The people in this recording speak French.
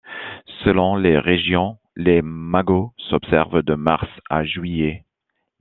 Selon les régions, l'imago s'observe de mars à juillet.